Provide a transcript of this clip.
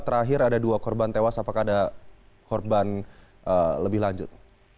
terakhir ada dua korban tewas apakah ada korban lebih lanjut